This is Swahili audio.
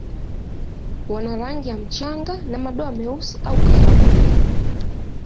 Wana rangi ya mchanga na madoa meusi au kahawia.